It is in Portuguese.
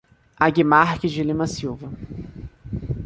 Aguimarques de Lima Silva